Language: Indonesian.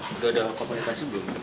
udah ada komunikasi belum